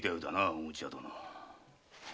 大口屋殿。